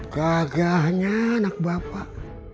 gagahnya anak bapak